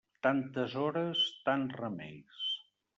Tantes hores, tants remeis.